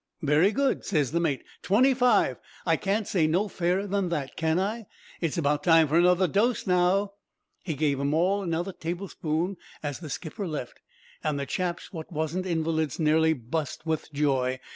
"'Very good,' ses the mate. 'Twenty five; I can't say no fairer than that, can I? It's about time for another dose now.' "He gave 'em another tablespoonful all round as the skipper left, an' the chaps what wasn't invalids nearly bust with joy.